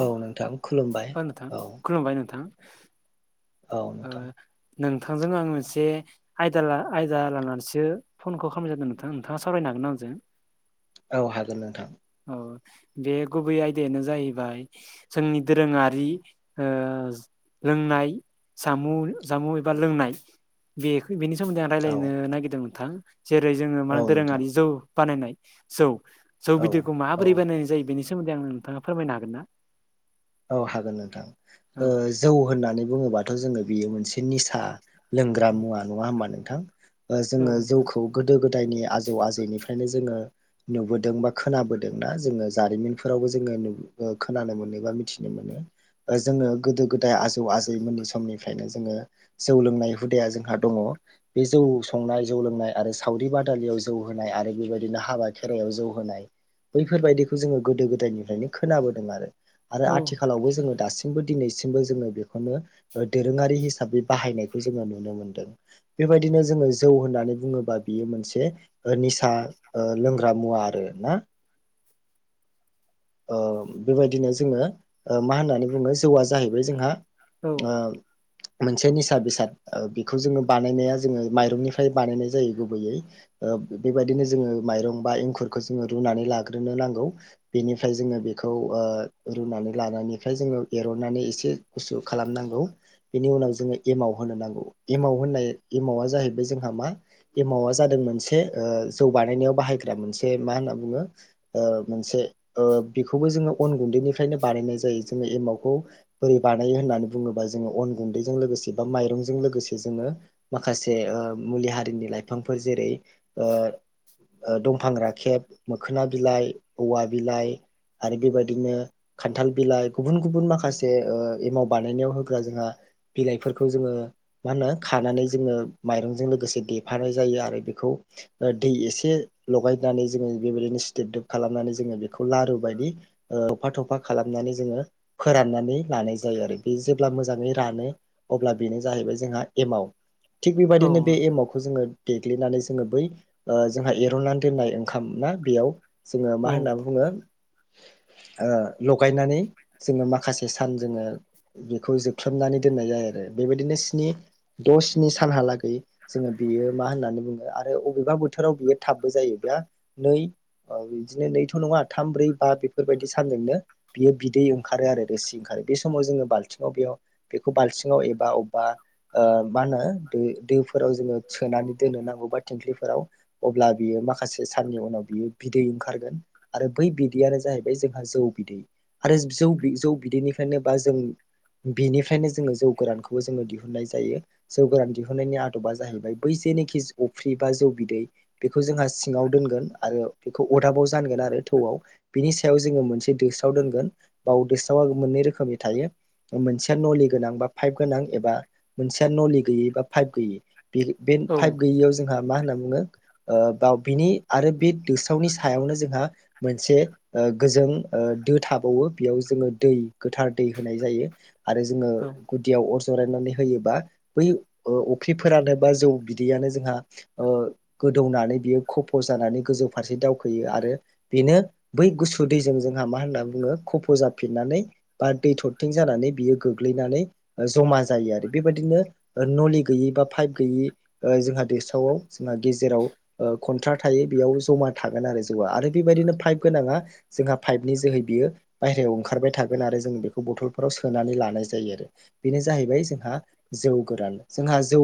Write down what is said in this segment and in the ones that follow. औ नोंथां खुलुम औ नोंथां खुलुमबाय नोंथां। औ ओ नोंथां । नोंथांजों आं मोनसे आयदा आयदा लानानैसो फनखौ खामनाय जादों नोंथां नोंथाङा सावरायनो हाग ना आंजों? औ हागोन नोंथां। ओ बे गुबै आयदायानो जाहैबाय जोंनि दोरोङारि ओ लोंनाय जामुं जामुं एबा लोंनाय बे बेनि सोमोन्दै आं औ रायज्लायनो नागिरदों नोंथां। जेरै जोङो मा औ नोंथां दोरोङारि जौ बानायनाय जौ जौ औ बिदैखौ औ माबोरै बानायनाय जायो बेनि सायाव सोमोन्दै आंनो नोंथाङा फोरमायनो हागोन ना? औ हागोन नोंथां औ ।ओ जौ होननानै बुङोबाथ' जोङो बेयो मोनसे निसा। लोंग्रा मुवा नङा होमबा नोंथां? ओ औ जोङो नोंथां जौखौ गोदो गोदायनि आजौ आजैनिफ्रायनो जोङो नुबोदों बा खोनाबोदों ना जोङो जारिमिनफोरावबो जोङो खोनानो मोनोबा मिथि नो मोनो । जोङो गोदो गोदाय आजौ आजैमोननि समनिफ्रायनो जोङो जौ लोंनाय हुदाया जोंहा दङ। बे जौ संनाय जौ लोंनाय आरो सावरि बादालियाव जौ होनाय आरो बेबायदिनो हाबा खेरायाव जौ होनाय बैफोरबायादिखौ जोङो गोदो गोदायनिफ्रायनो खोनाबोदों आरो। आरो औ आथिखालावबो जोङो दासिम [unintelligible] दिनैसिमबो जोङो बेखौनो दोरोङारि हिसाबै बाहायनायखौ जोङो नुनो मोनदों। बेबायदिनो जोङो जौ होननानै बुङोबा बियो मोनसे निसा ओ लोंग्रा मुवा आरो । हा ओ बेबायदिनो जोङो ओ मा होननानै बुङो जौआ जाहैबाय जोंहा औ ओ मोनसे निसा बेसाद ओ बेखौ जोङो बानायनाया जोङो माइरंनिफ्राय बानायनाय जायो गुबैयै । ओ बेबायदिनो जोङो माइरं बा एंखुरखौ जोङो रुनानै लाग्रोनो नांगौ बेनि फ्राय जोङो बेखौ ओ रुनानै लानायनिफ्राय जोङो एरननानै एसे गुसु खालामनांगौ। बेनि उनाव जोङो एमाव होनो नांगौ एमाव होननाय एमवा जाहैबाय जोंहा मा एमवा जादों मोनसे ओ जौ बानायनायाव बाहायग्रा मोनसे मा होनना बुङो ओ मोनसे ओ बेखौबो जोङो अन गुन्दैनिफ्रायनो बानायनाय जायो । ओ जोङो एमावखौ बोरै बानायो होननानै बुङो बा जोङो अन गुन्दैजों लोगो से बा मायरंजों लोगोसे जोङो मा खासे मुलि हारिनि लाइफां बिफोर जेरै ओ दंफां राखेब मोखोना बिलाइ औवा बिलाइ आरो बेबायदिनो खान्थाल बिलाइ गुबुन गुबुन माखासे ओ एमाव बानायनायाव होग्रा जोंहा बिलाइफोरखौ जोङो मा होनो खानानै जोङो माइरंजों लोगोसे देफानाय जायो आरो बेखौ दै इसे लगायनानै जोङो बेबायदिनो सिदोब दोब खालामनानै जोङो बेखौ लारु बायदि थफा थफा खालामनानै जोङो फोरनानै लानाय जायो आरो बे जेब्ला मोजाङै रानो अब्ला बेनो जाहैबाय जोंहा एमाव। थिग बेबायदिनो बे एमावखौ जोङो देग्लिनानै जोङो बै ओ जोंहा एर'नानै दोननाय ओंखाम ना बेयाव जोङो औ मा होनना हो ओ लगायनानै जोङो माखासे सान जोङो बेखौ जोबख्लोबनानै दोननाय जायो आरो । बेबायदिनो स्नि द स्नि सानहालागै जोङो बेयो मा होननानै बुङो आरो बबेबा बोथोराव बियो थाबबो जायो बेदि नै थाम बिदिनो नङा थाम ब्रै बा बेफोरबायदि सानजोंनो बियो बिदै ओंखारो आरो रोसि ओंखारो बे समाव जोङो बालथिं बेयाव बालथिङाव एबा अबबा मा होनो दैफोराव जोङो सोना नानै दोननो नांगौबा थिंख्लिफोराव अब्ला बियो माखासे साननि उनाव बियो बिदै ओंखारगोन। आरो बै बिदैआानो जाहैबाय जोंहा जौ बिदै आरो जौ जौ बिदैनिफ्रायनो बा जों बेनिफ्रायनो जोङो जौ गोरानखौबो जोङो दिहुननाय जायो जौ गोरान दिहुननायनि आदबा जाहैबाय बै । जेनोखि अफ्रि बा जौ बिदै बेखौ जोंहा सिङाव दोनगोन आरो बेखौ अरदाबाव जानगोन आरो । थौआव बिनि सायाव जोङो मोनसे दोस्राव दोनगोन बाव दोस्रावा मोननै रोखोमनि थायो। मोनसे नलि गोनां बा पाइप गोनां एबा मोनसे नलि गैयै बा फाइभ गैयि बे औ फाइभ गैयियाव जोंहा मा होनना बुङो बा बिनि आरो बे दोसरावनि सायावनो जोंहा। मोनसे गोजों दो थाबावो बेयाव जोङो दै गोथार दै होनाय जायो। आरो जोङो औ गुदियाव अर जरायनानै होयोबा बै अफ्रिफोरानो बा जौ बिदैयानो जों। गोदौनानै बियो खफ' जानानै गोजौ फारसे दावखोयो आरो। बेनो बै गुसु दैजों जोंहा मा होनना बुङो खफ' जाफिननानै बा दै थरथिं जानानै बियो गोग्लैनानै जमा जायो आरो बेबायदिनो नलि गैयै बा पाइप गैयै जोंहा दैसरावआव जोंहा गेजेराव खन्थ्रा थायो बेयाव जमा थागोन आरो जौआ आरो। बेबायदिनो पाइप गोनाङा जोंहा पाइपनि जोहै बियो बाहेरायाव ओंखारबाय थागोन आरो जों बेखौ बथलफोराव सोनानै लानाय जायो आरो बेनो जाहैबाय जोंहा जौ गोरान जोंहा जौ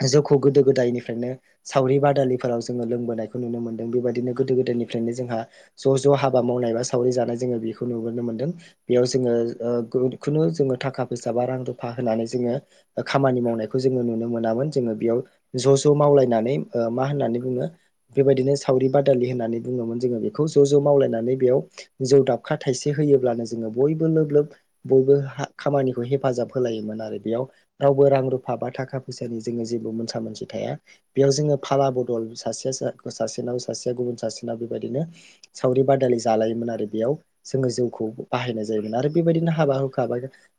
। जौखौ गोदो गोदायनिफ्रायनो सावरि बादालिफोराव जोङो लोंबोनायखौ नुनो मोनदों बेबायदिनो गोदो गोदायनिफ्राय जोंहा ज' ज' हाबा मावनाय बा सावरि जानाय जोङो बेखौ नुुबोनो मोनदों बेयाव जोङो खुनु जोङो थाखा फैसा बा रां रुफा होनानै जोङो खामानि मावनायखौ जोङो नुनो मोनामोन। जोङो बेयाव ज' ज' मावलायनानै मा होननानै बुङो बेबायदिनो सावरि बादालि होननानै बुङोमोन जोङो बेखौ ज' ज' मावलायनानै बेयाव जौ दाबखा थाइसे होयोब्लानो जोङो बयबो लोब लोब । बयबो खामानिखौ हेफाजाब होलायोमोन आरो बेयाव रावबो रां रुफा बा थाखा फैसानि जोङो । जेबो मोनसा मोनसि थाया बेयाव जोङो फाला बदल सासे सासेनाव सासेया गुबुन सासे। बेबायदिनो सावरि बादालि जालायोमोन आरो बेयाव जोङो जौखौ बाहायनाय जायोमोन आरो बेबायदिनो बिनो हाबा हुखा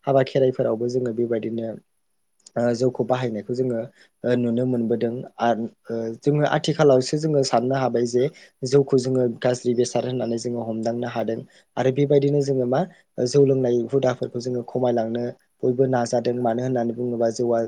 हाबा खेराइफोरावबो जोङो बेबायदिनो जौखौ बाहायनायखौ जोङो नुनो मोनबोदों आरो जोङो आथिखालावसो जोङो साननो हाबाय जे । जौखौ जोङो गाज्रि बेसाद होननानै जोङो हमदांनो हादों आरो बेबायदिनो जोङो मा जौ लों नाय हुदाफोरखौ जोङो खमायलांनो बयबो नाजादों मानो होननानै बुङोबा जौआ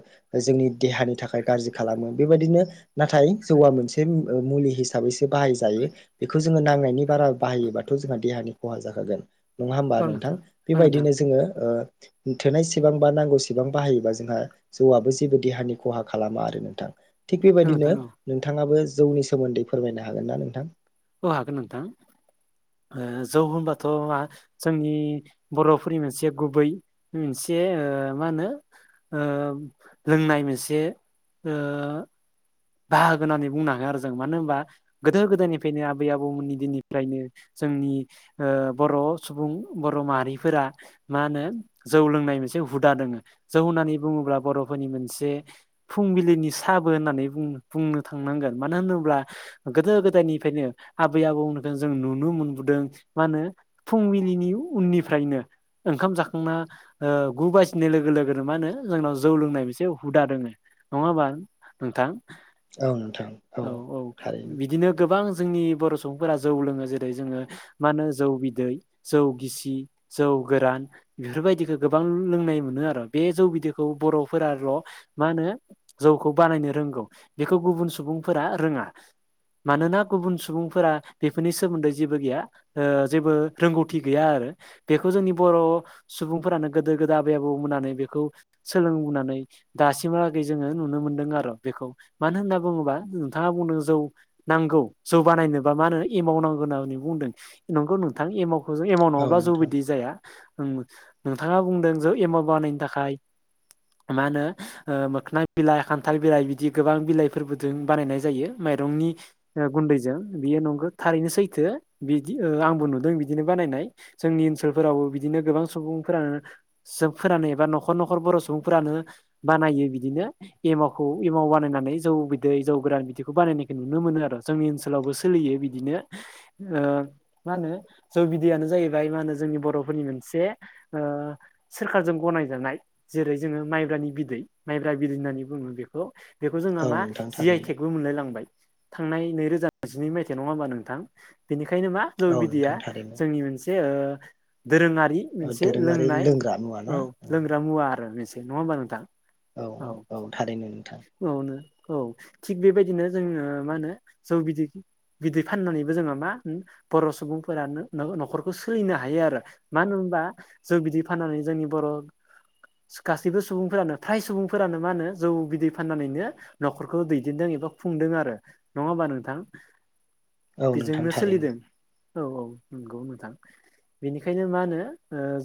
जोंनि देहा देहानि थाखाय गाज्रि खालामो बेबायदिनो नाथाय जौवा मोनसे मुलि हिसाबैसो बाहायजायो। बेखौ जोङो नांनायनि बारा बाहायोबाथ' जोंहा देहानि खहा जाखागोन । नङा होमबा औ नोंथां औ नोंथां बेबायदिनो जोङो । थोनायसेबां बा नांगौसेबां बाहायोबा जोंहा जौआआबो जेबो देहानि खहा खालामा आरो नोंथां। थिग औ बेबायदिनो नोंथां औ नोंथाङाबो जौनि सोमोन्दै फोरमायनो हागोन ना नोंथां । अ हागोन नोंथां। जौ होनबाथ' जोंनि बर'फोरनि मोनसे गुबै मोनसे बे ओह मा होनो ओह लोंनाय मोनसे ओह। बाहागो होननानै बुंनो हाया आरो जों मानो होनबा गोदो गोदायनिफ्रायनो आबै आबौमोननि दिननिफ्रायनो जोंनि बर' सुबुं बर' माहारिफोरा मा होनो जौ लोंनाय मोनसे हुदा दोङो जौ होननानै । बुंनो थांनांगोन मानो होनोब्ला गोदो गोदायनिफ्रायनो आबै आबौमोननो जों नुनो मोनबो। नुदों मा होनो फुंबिलिनि उननिफ्रायनो ओंखाम जाखांना ओह गु बाजि बासिनाय लोगो लोगोनो मा होनो जोंनाव जौ लोंनाय मोनसे हुदा दोङो नङा होमबा नोंथां । औ औ थारैनो बिदिनो गोबां जोंनि बर' सुबुंफोरा जौ लोङो जेरै जोङो मा होनो जौ बिदै जौ गिसि जौ जौ गोरान बेफोरबायदिखौ गोबां लोंनाय मोनो आरो बे जौ बिदैखौ बर'फोराल' मा होन जौखौ बानायनो रोंगौ बेखौ गुबुन सुबुंफोरा रोङा। मानोना गुबुन सुबुंफोरा बेफोरनि सोमोन्दै जेबो गैया जेबो रोंगौथि गैया आरो। बेखौ जोंनि बर' सुबुंफोरानो गोदो गोदाय आबै आबौ मोनहानो बेखौ सोलोंनानै। दासिमहागै जोङो नुनो मोनदों आरो बेखौ मानो होनना बुङोबा नोंथाङा बुंदों जौ नांगौ जौ बानायनोबा मा होनो एमावनांगौ होनना बुंदों नंगौ नोंथां एमावखौ एमाव औ नङाब्ला जौ नोंथां बिदै जाया नोंथाङा बुंदों जे एमाव बानायनो थाखाय मा होनो मोखना बिलाइ खान्थाल बिलाइ बिदि गोबां बिलाइफोरबोजों बानायनाय जायो माइरंनि गुन्दैजों बियो नंगौ थारैनो सैथो बिदि आंबो नुदों बिदिनो बानायनाय जोंनि ओनसोलफोरावबो बिदिनो गोबां सुबुंफोरा जों फोरोननानै एबा न'खर न'खर बर' सुबुंफोरानो बानायो बिदिनो एमावखौ एमाव बानाय नानै जौ बिदै जौ गोरान बिदिखौ बानायनायखौ नुनो मोनो आरो जोंनि ओनसोलावबो सोलियो बिदिनो [inaudible] ओ मा होनो जौ बिदैयानो जाहैबाय मा होनो जोंनि बर'फोरनि मोनसे ओ सोरखारजों गनाय जानाय जेरै जोङो माइब्रानि बिदै माइब्रा बिदै होननानै बुङो बेखौ बेखौ जोंओ औ मा नोंथां जि थारैनो आइटेकबो मोनलाय लांबाय। थांनाय नैरोजा जिनै मायथाइ नङा होनबा नोंथां बेनिखाय बेखायनो मा जौ औ बिदैया नोंथां थारैनो जोंनि मोनसे - दोरोङारि मोनसे दोरोङारि लोंनाय लोंग्रा मुवा ना औ लोंग्रा मुवा आरो मोनसे नङा होमबा नोंथां? औ औ थारैनो नोंथां । औ औनो थिग बेबायदिनो जोङो मा होनो जौ बिदै बिदै फाननानैबो जोङो मा । बर' सुबुंफोरा न'खरखौ सोलिनो हायो आरो मानो होनबा जों बिदि फाननानै जोंनि बर' गासैबो सुबुंफोरानो फ्राय सुबुंफोरानो मा होनो जौ बिदै फाननानैनो न'खरखौ दैदेनदों एबा खुंदों आरो नङा होमबा नोंथां? औ नोंथां बेजोंनो थारैनो सोलिदों औ औ नंगौ नोंथां। बेनिखायनो मा होनो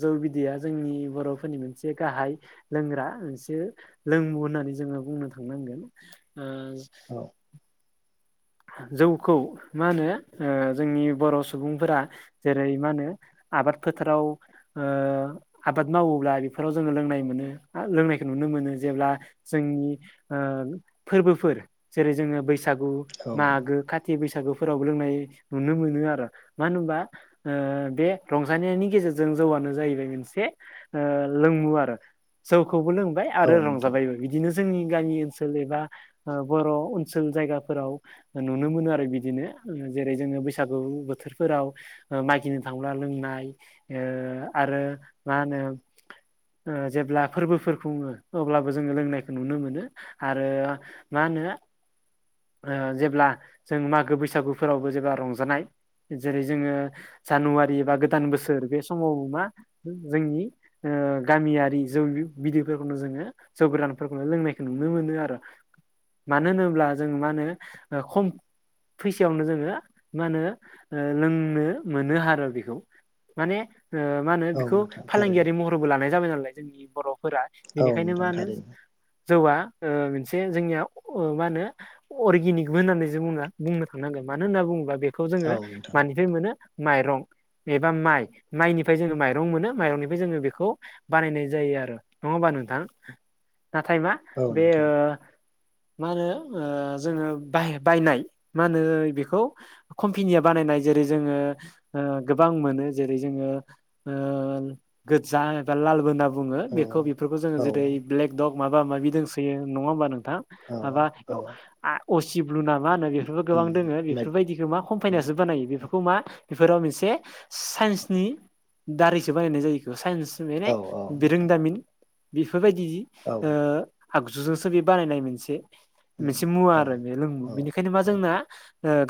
जौ बिदैया जोंनि बर'फोरनि मोनसे गाहाय लोंग्रा एसे लोंमु होननानै जोङो बुंनो थांनांगोन ओह औ जौखौ मा होनो जोंनि बर' सुबुंफोरा जेरै- मा होनो आबाद फोथाराव आबाद मावोब्ला बेफोराव जोङो लोंनाय मोनो लोंनायखौ नुनो नुनो मोनो जेब्ला जोंनि फोरबोफोर जेरै जोङो बैसागु औ मागो खाथि बैसागो फोरावबो लोंनाय नुनो मोनो आरो मानो होनबा बे रंजानायनि गेजेरजों जौआ नो जाहैबाय मोनसे लोंमु आरो जौखौबो लोंबाय औ आरो नोंथां रंजाबायबो बिदिनो जोंनि गामि ओनसोल एबा बर' ओनसोल जायगाफोराव नुनो मोनो आरो बिदिनो जेरै जोङो बैसागु बोथोरफोराव मागिनो थांब्ला लोंनाय ओह आरो मा होनो। जेब्ला फोरबोफोर खुङो अब्लाबो जोङो लोंनायखौ नुनो मोनो आरो मा मा होनो ओ जेब्ला जों मागो बैसागुफोरावबो जेब्ला रंजानाय जेरै जोङो जानुवारि एबा गोदान बोसोर बे समाव मा जोंनि गामियारि जौ बिदैफोरखौनो जोङो जौ गोरानफोरखौनो लोंनायखौ नुनो मोनो आरो मानो होनोब्ला जों मा होनो खम फैसायावनो जोङो मा होनो लोंनो मोनो आरो बेखौ। माने मा होनो औ बेखौ नोंथां थारैनो फालांगियारि महरबो लानाय जाबाय नालाय जोंनि बर' फोरा औ बेनिखायनो मा नोंथां होनो थारैनो जौआ मोनसे जोंनिया मा होनो अर्गेनिकबो होननानै जो बुङा बुंनो थांनांगोन मानो होनना बुङोब्ला बेखौ औ जोङो नोंथां मानिफ्राय मोनो माइरं। एबा माइ माइनिफ्राय जोङो माइरं मोनो माइरंनिफ्राय जोङो बेखौ बानायनाय जायो आरो नङा होनबा नोंथां नाथायबा औ बे नोंथां ओ माहोनो ओ जोङो बायनाय माहोनो बेखौ खमफिनिया बानायनाय जेरै जोङो गोबां मोन जेरै जोजाा एबा लाल बो होनना बुङो औ बेखौ बेफोरखौ जोङो औ जेरै ब्लेक डग माबा माबि दंसोयो नङा होमब नों औ आाबा औ असि। ब्लुना मा होनो बेफोरबो गोबां दोङो बेफोरबायदिखौ मा कम्पानियासो बानायो बेफोरखौ। मा बेफोराव मोनसे साइन्सनि दारैसो बाहायनाय जायो बेखौ । साइन्स मे औ नोंथां बिरोंदामिन बेफोरबायदि। औ आगजुजोंसो बे बानायनाय मोनसे। [inaudible] ोंु औ बेनिायनो मा औ जोंना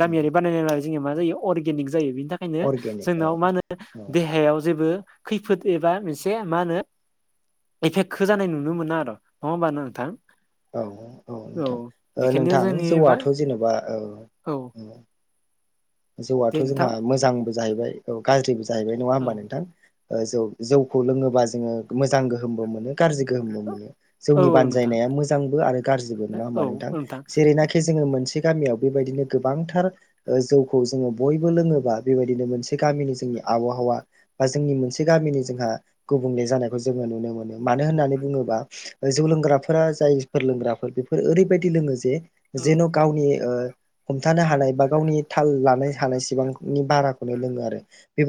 गामियारि बानायनाय अरगिनिक जायो। बिनि थाखायनो अर्गेनिक औ जोंनाव मा होनो औ देहायाव जेबो खैफोद एबा मोनसे मा होनो? एफेक्टखौ जानाय नुनो मोना आरो नङा होमबानोंथां? औ औ नोंथां। बेखायनो नोंथां जोंनि मा जौआथ जेनेबा ओ औ । दे जौआथ जोंहा नोंथां मोजांबो जाहैबाय औ गाज्रिबो जाहैबाय नङा होमबा औ नोंथां? जौ जौखौ लोङोबा जोङो मोजां गोहोमबो मोनो। गाज्रि मोनो जोंनि औ औ नोंथां बानायनाया मोजांबो आरो गाज्रिबो नङा हा औ औ नोंथां जेरैनाखि ज मोनसे। गामियाव बेबायदिनो गोबांथार जौ। औ जोङो बयबो लोङोबा बेबायदिनो मोनसे गामिनि जोंनि आबहावा बा जोंनि मोनसे गामिनि जोंहा। गुबुंले जानायखौ जोङो नुनो मोनो मानो होननानै बुङोबा जौ लोंग्राफोरा जाय फोरा लोंग्रा। बेफोर ओरैबायदि लोङो जे औ जेन गावनि हमथानो हानाय बा गावनि थाल लानाय हानाय सिबांनि बाराखौनो लोङो आरो बे-